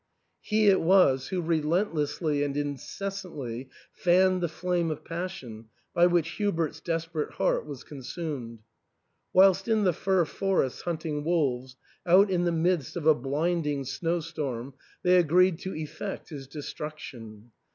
He it was who relentlessly and incessantly fanned the flame of passion by which Hubert's desperate heart was consumed. Whilst in the fir forests hunting wolves, out in the midst of a blinding snowstorm, they agreed to effect his destruc tion.